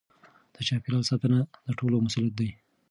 د چاپیریال ساتنه د ټولو مسؤلیت دی.